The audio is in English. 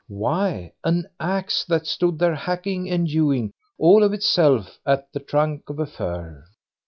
why, an axe that stood there hacking and hewing, all of itself, at the trunk of a fir.